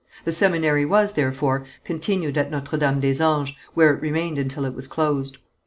The seminary was, therefore, continued at Notre Dame des Anges, where it remained until it was closed.